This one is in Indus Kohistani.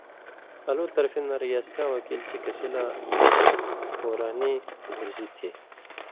الُوی طرفی نہ ریاستیاں وکیل چے کسی لا ورانی گُھرژِی تھی